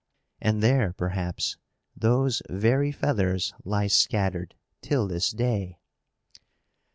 And there, perhaps, those very feathers lie scattered till this day.